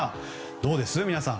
どうです皆さん。